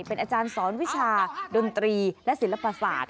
เป็นอาจารย์สอนวิชาดนตรีและศิลปศาสตร์